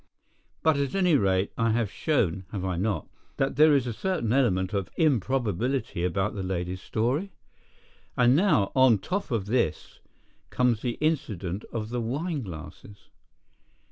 But at any rate I have shown, have I not, that there is a certain element of improbability about the lady's story? And now, on the top of this, comes the incident of the wineglasses."